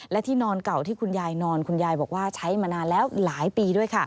และที่นอนเก่าที่คุณยายนอนคุณยายบอกว่าใช้มานานแล้วหลายปีด้วยค่ะ